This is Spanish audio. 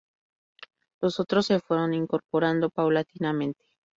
Los otros se fueron incorporando paulatinamente.